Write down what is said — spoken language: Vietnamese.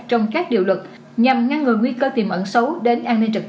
trong các điều luật nhằm ngăn ngừa nguy cơ tiềm ẩn xấu đến an ninh trật tự